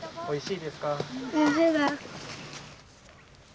おいしいです。